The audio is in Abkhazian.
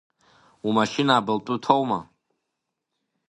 Умашьына абылтәы ҭоума?